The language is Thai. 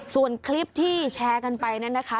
ส่วนคลิปที่แชร์กันไปนั้นนะคะ